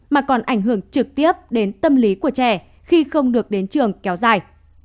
mà còn ảnh hưởng trực tiếp đến tâm lý của trẻ khi không được đến trường kéo dài